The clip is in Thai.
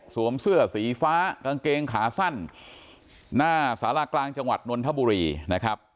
เสื้อสีฟ้ากางเกงขาสั้นหน้าสารากลางจังหวัดนนทบุรีนะครับ